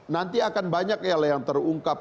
nanti akan banyak yang terungkap